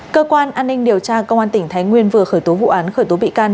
cơ quan an ninh điều tra công an tỉnh thái nguyên vừa khởi tố vụ án khởi tố bị can